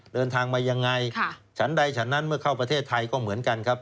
เดินทางมายังไงฉันใดฉันนั้นเมื่อเข้าประเทศไทยก็เหมือนกันครับ